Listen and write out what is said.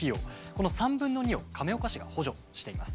この３分の２を亀岡市が補助しています。